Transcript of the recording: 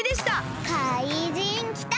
かいじんきた！